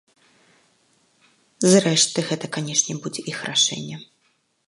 Зрэшты гэта, канешне, будзе іх рашэнне.